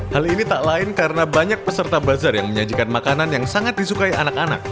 hal ini tak lain karena banyak peserta bazar yang menyajikan makanan yang sangat disukai anak anak